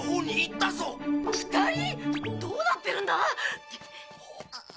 どうなってるんだ？